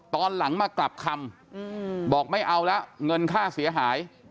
ตอนหลังมากลับคำบอกไม่เอาแล้วเงินค่าเสียหาย